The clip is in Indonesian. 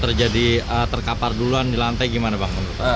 terjadi terkapar duluan di lantai gimana bang